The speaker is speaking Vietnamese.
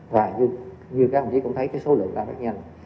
và như các quý vị cũng thấy số lượng ra rất nhanh